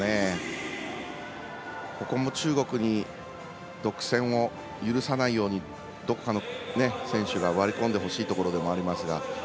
ここも中国に独占を許さないようにどこかの選手が割り込んでほしいところではありますが。